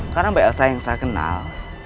karena mbak elsa yang saya kenal